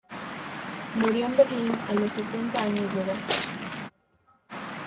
Murió en Berlín a los setenta años de edad.